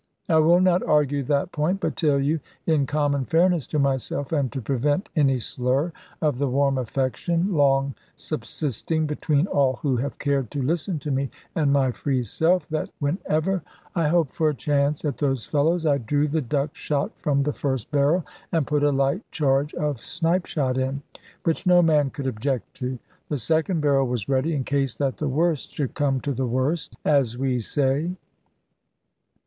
I will not argue that point, but tell you (in common fairness to myself, and to prevent any slur of the warm affection, long subsisting between all who have cared to listen to me and my free self) that whenever I hoped for a chance at those fellows, I drew the duck shot from the first barrel, and put a light charge of snipe shot in, which no man could object to. The second barrel was ready, in case that the worst should come to the worst, as we say.